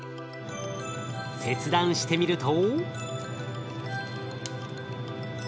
切断してみると。